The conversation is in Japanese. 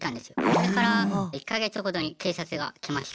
それから１か月後に警察が来ました。